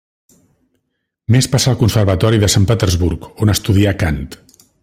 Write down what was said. Més passà al Conservatori de Sant Petersburg, on estudià cant.